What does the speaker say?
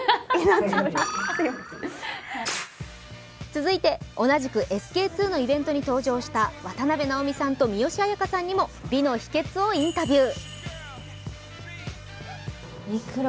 続いて同じくＳＫ−Ⅱのイベントに登場した渡辺直美さんと三吉彩花さんにも美の秘けつをインタビュー。